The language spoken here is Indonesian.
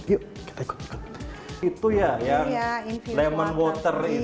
itu ya lemon water itu